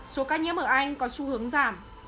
số ca nhiễm ở anh có xu hướng giảm